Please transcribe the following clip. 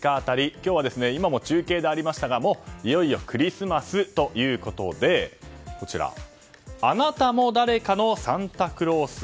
今日は今も中継でありましたがいよいよクリスマスということであなたも誰かのサンタクロース。